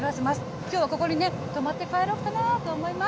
きょうはここに泊まって帰ろうかなと思います。